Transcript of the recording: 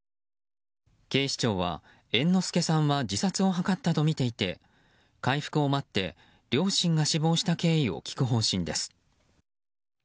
警視庁は、猿之助さんは自殺を図ったとみていて回復を待って、両親が死亡した経緯を聞く方針です。